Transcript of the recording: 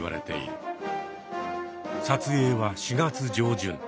撮影は４月上旬。